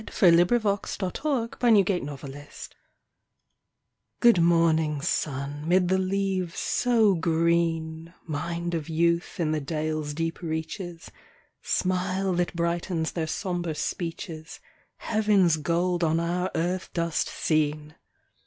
THE MAIDENS' SONG (FROM HALTE HULDA) Good morning, sun, 'mid the leaves so green Mind of youth in the dales' deep reaches, Smile that brightens their somber speeches, Heaven's gold on our earth dust seen!